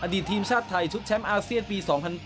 ดีตทีมชาติไทยชุดแชมป์อาเซียนปี๒๐๐๘